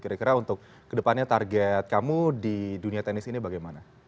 kira kira untuk kedepannya target kamu di dunia tenis ini bagaimana